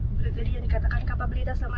berarti tadi yang dikatakan kapabilitas